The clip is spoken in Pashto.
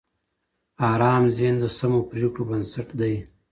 ارام ذهن د سمو پریکړو بنسټ دی.